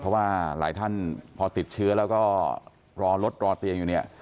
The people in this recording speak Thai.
เพราะว่าหลายท่านพอติดเชื้อแล้วก็รอรถรอเตียงอยู่เนี่ย